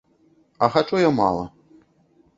А хачу я мала.